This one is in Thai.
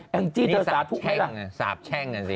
แม่งจี้จะสาธุเหรออย่างนี้สาบแช่งกันสิ